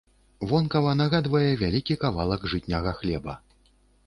Вонкава нагадвае вялікі кавалак жытняга хлеба.